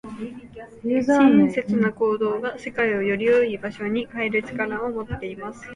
親切な行動が、世界をより良い場所に変える力を持っています。